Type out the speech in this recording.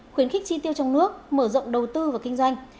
khuyến khích chi tiêu trong nước mở rộng đầu tư và kinh doanh